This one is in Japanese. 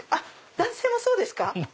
男性もそうですか？